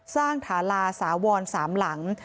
สร้างฐาลาสาวรสามหลัง